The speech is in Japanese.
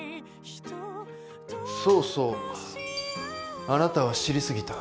そうそうあなたは知りすぎた。